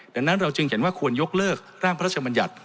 ดังนั้นเราจึงเห็นว่าควรยกเลิกร่างพระราชบัญญัติ